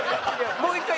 もう１回。